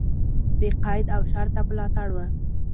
بې قید او شرطه ملاتړ و.